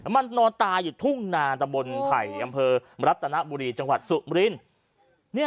มันนอนตายอยู่ทุ่งนาตะบนไผ่อำเภอรัตนบุรีจังหวัดสุมรินทร์